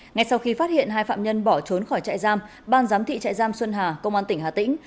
ngay sau khi phát hiện hai phạm nhân bỏ trốn khỏi trại giam ban giám thị trại giam xuân hà công an tỉnh hà tĩnh